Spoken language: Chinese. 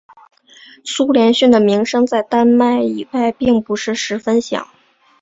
苏连逊的名声在丹麦以外并不是十分响。